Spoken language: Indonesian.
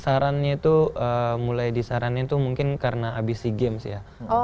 sarannya itu mulai disaranin tuh mungkin karena abis sea games ya